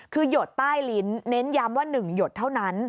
คือหยดใต้ลิ้นเน้นย้ำว่า๑หยดเท่านั้น